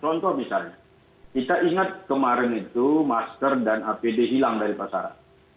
contoh misalnya kita ingat kemarin itu masker dan apd hilang dari pasaran